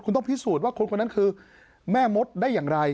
คุณต้องพิสูจน์ว่าคนคนนั้นคือแม่มดได้อย่างไร